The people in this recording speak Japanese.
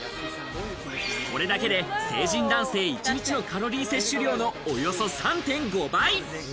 これだけで、成人男性１日のカロリー摂取量のおよそ３．５倍。